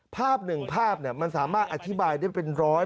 ภาพหนึ่งภาพมันสามารถอธิบายได้เป็นร้อย